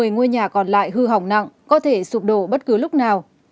một mươi ngôi nhà còn lại hư hỏng nặng có thể sụp đổ bất cứ lúc nào